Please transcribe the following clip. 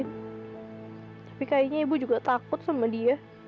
tapi kayaknya ibu juga takut sama dia